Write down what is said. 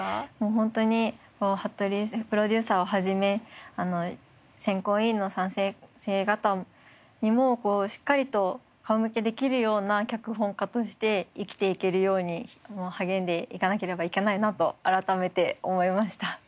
本当に服部プロデューサーを始め選考委員の三先生方にもしっかりと顔向けできるような脚本家として生きていけるように励んでいかなければいけないなと改めて思いました。